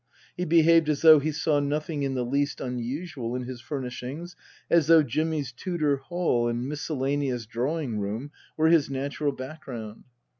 He behaved as though he saw nothing in the least unusual in his furnish ings, as though Jimmy's Tudor hall and miscellaneous drawing room were his natural background.